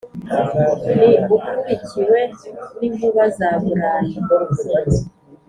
ni ukurikiwe n’inkuba za burayi,